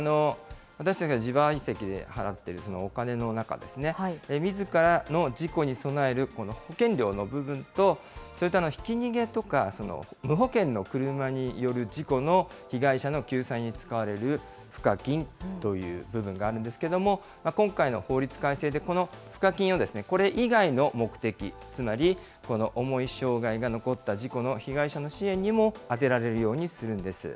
私たちが自賠責で払っているお金の中でですね、みずからの事故に備える保険料の部分と、それとひき逃げとか無保険の車による事故の被害者の救済に使われる賦課金という部分があるんですけれども、今回の法律改正でこの賦課金を、これ以外の目的、つまりこの重い障害が残った事故の被害者の支援にも充てられるようにするんです。